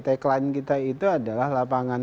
tagline kita itu adalah lapangan